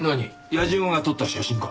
やじ馬が撮った写真か？